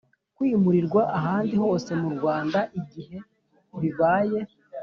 Kwimurirwa ahandi hose mu rwanda igihe bibaye